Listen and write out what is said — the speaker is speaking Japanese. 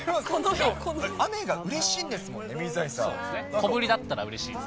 雨がうれしいんですもんね、小降りだったらうれしいです。